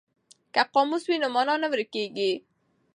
که قاموس وي نو مانا نه ورکیږي.